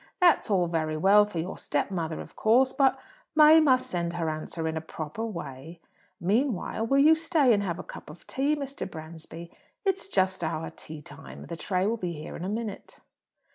That's all very well for your step mother, of course; but May must send her answer in a proper way. Meanwhile, will you stay and have a cup of tea, Mr. Bransby? It's just our teatime. The tray will be here in a minute."